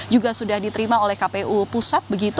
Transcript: juga sudah diterima oleh kpu pusat